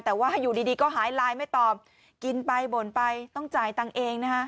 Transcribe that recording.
แต่ว่าอยู่ดีก็หายไลน์ไม่ตอบกินไปบ่นไปต้องจ่ายตังค์เองนะฮะ